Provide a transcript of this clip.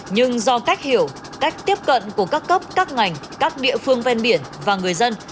nhưng do cách hiểu cách tiếp cận của các cấp các ngành các địa phương ven biển và người dân